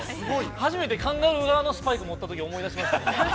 初めてカンガルー皮のスパイク持ったとき思い出しました。